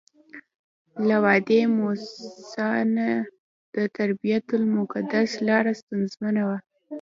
له وادي موسی نه تر بیت المقدسه لاره ستونزمنه وه.